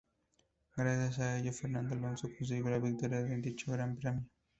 Gracias a ello, Fernando Alonso consiguió la victoria en dicho gran premio.